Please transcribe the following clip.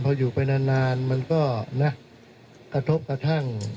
พออยู่ไปนานมันก็นะกระทบกระทั่ง